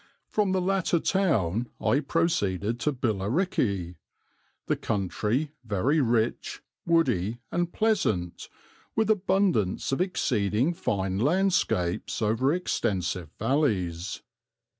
"From the latter town I proceeded to Billericay; the country very rich, woody, and pleasant, with abundance of exceeding fine landscapes over extensive valleys.